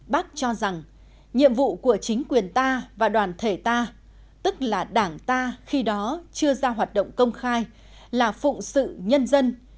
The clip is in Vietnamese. bác cho rằng nhiệm vụ của chính quyền ta và đoàn thể ta tức là đảng ta khi đó chưa ra hoạt động công khai là phụng sự nhân dân